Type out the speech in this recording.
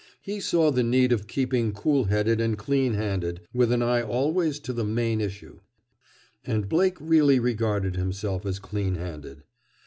He saw the need of keeping cool headed and clean handed, with an eye always to the main issue. And Blake really regarded himself as clean handed.